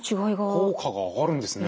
効果が上がるんですね。